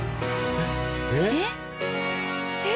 えっ？